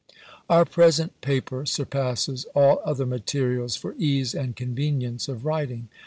Our present paper surpasses all other materials for ease and convenience of writing.